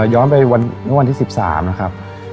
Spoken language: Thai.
ย้อนไปเมื่อวันที่๑๓นะครับ